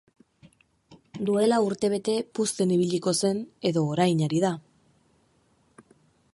Duela urtebete puzten ibiliko zen, edo orain ari da.